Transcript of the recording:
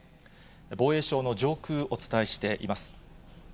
防衛省の上空、お伝えしています。